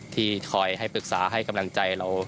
ที่คอยให้ปรึกษาให้กำลังใจเรา